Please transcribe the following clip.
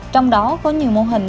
trong đó có nhiều mô hình